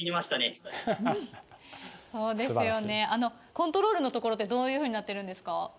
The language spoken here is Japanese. コントロールのところってどういうふうになってるんですか？